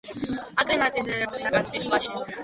აკლიმატიზებულია კასპიის ზღვაში.